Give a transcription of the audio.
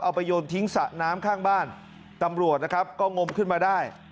เอาไปโยนทิ้งสระน้ำข้างบ้านตำรวจนะครับก็งมขึ้นมาได้